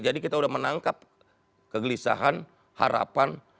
jadi kita udah menangkap kegelisahan harapan